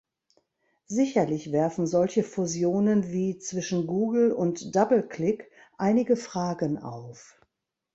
Sicherlich werfen solche Fusionen wie zwischen Google und DoubleClick einige Fragen auf.